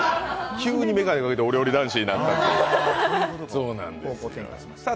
急に眼鏡かけてお料理男子になって。